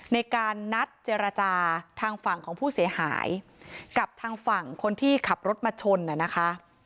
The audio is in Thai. ในการนัดเจรจาทางฝั่งของผู้เสียหายกับทางฝั่งคนที่ขับรถมาชนนะคะ